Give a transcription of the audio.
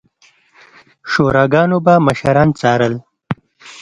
شوراګانو به مشران څارل